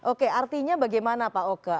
oke artinya bagaimana pak oke